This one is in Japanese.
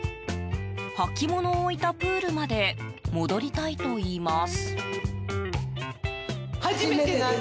履物を置いたプールまで戻りたいといいます。